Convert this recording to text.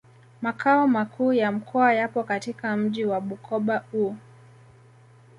Makao Makuu ya Mkoa yapo katika mji wa Bukoba u